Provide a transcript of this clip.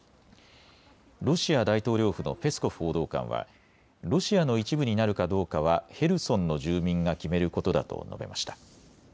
ロシア大統領府のペスコフ報道官はロシアの一部になるかどうかはヘルソンの住民が決めることだと述べました。